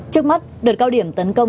trước mắt đợt cao điểm tấn công